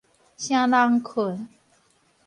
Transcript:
唌人睏